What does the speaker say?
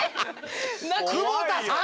久保田さん！